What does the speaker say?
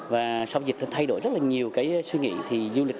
và sau dịch đã thay đổi rất nhiều suy nghĩ